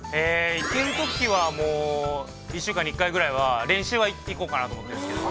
◆行けるときはもう１週間に１回ぐらいは練習は行こうかなと思ってるんですけど。